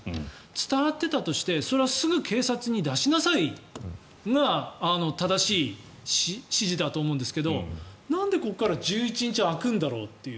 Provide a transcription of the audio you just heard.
伝わっていたとしてそれはすぐ警察に出しなさいが正しい指示だと思うんですけどなんでここから１１日空くんだろうという。